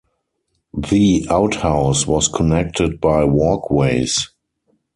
The outhouse was connected by walkways.